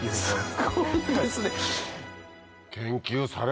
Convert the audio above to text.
すごいですね。